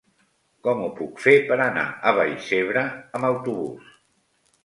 Com ho puc fer per anar a Vallcebre amb autobús?